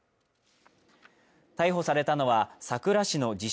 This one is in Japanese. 逮捕されたのは佐倉市の自称